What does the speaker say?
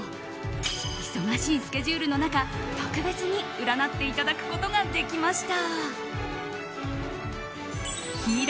忙しいスケジュールの中特別に占っていただくことができました。